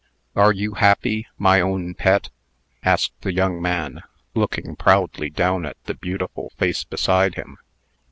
"Are you happy, my own Pet?" asked the young man, looking proudly down at the beautiful face beside him.